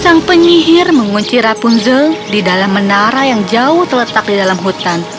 sang penyihir mengunci rapunzel di dalam menara yang jauh terletak di dalam hutan